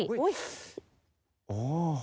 โอ้โฮ